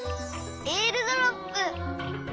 えーるドロップ！